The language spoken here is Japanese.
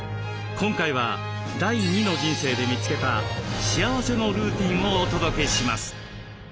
今回は第２の人生で見つけた幸せのルーティンをお届けします。